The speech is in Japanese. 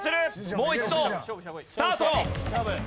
もう一度スタート。